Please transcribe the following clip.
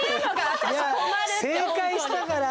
正解したから。